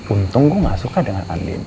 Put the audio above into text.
untung gue gak suka dengan andien